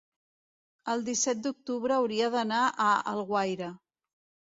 el disset d'octubre hauria d'anar a Alguaire.